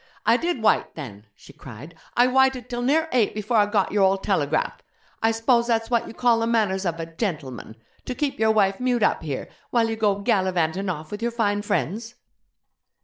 'I did wyte then!' she cried 'I wyted till near eight before I got your old telegraph! I s'pose that's what you call the manners of a "gentleman", to keep your wife mewed up here, while you go gallivantin' off with your fine friends?'